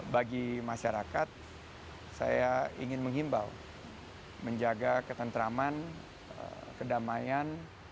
bagi masyarakat saya ingin menghimbau menjaga ketentraman kedamaian